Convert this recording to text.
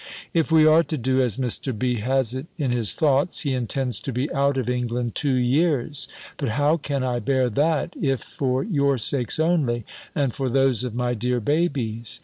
If we are to do as Mr. B. has it in his thoughts, he intends to be out of England two years: but how can I bear that, if for your sakes only, and for those of my dear babies!